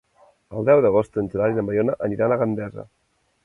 El deu d'agost en Gerard i na Mariona aniran a Gandesa.